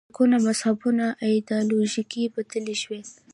فرقو مذهبونو ایدیالوژۍ بدلې شوې.